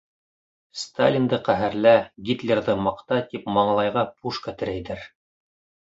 Сталинды ҡәһәрлә, Гитлерҙы маҡта, тип маңлайға пушка терәйҙәр.